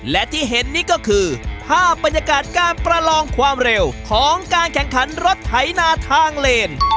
และที่เห็นนี่ก็คือภาพบรรยากาศการประลองความเร็วของการแข่งขันรถไถนาทางเลน